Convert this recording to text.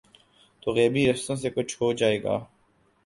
تو غیبی راستوں سے کچھ ہو جائے گا۔